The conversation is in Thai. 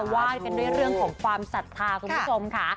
ว่ายเป็นเรื่องของความสัทธาคุณผู้ชมค่ะ